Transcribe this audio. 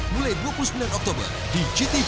mulai dua puluh sembilan oktober di gtv